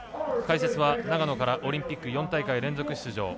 解説は長野からオリンピック４大会連続出場